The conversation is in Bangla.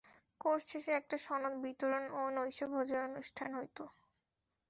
কোর্স শেষে একটা সনদ বিতরণ ও নৈশভোজের অনুষ্ঠান হতো।